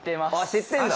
知ってんだ。